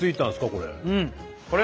これ。